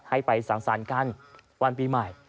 ให้ไปสังสรรค์กันวันปีใหม่